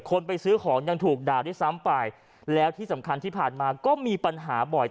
คนไปซื้อของยังถูกด่าด้วยซ้ำไปแล้วที่สำคัญที่ผ่านมาก็มีปัญหาบ่อย